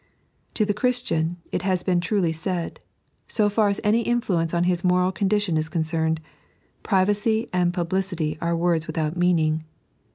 To the Christian, it haa been truly said, so far as any influence on hia moral condition is concOTned, privacy and publicity are words without meaning.